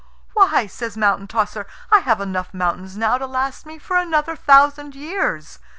"Why," says Mountain tosser, "I have enough mountains now to last me for another thousand years.